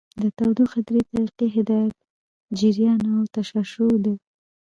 د تودوخې درې طریقې هدایت، جریان او تشعشع دي.